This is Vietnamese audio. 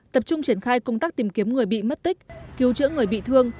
tập trung triển khai công tác tìm kiếm người bị mất tích cứu chữa người bị thương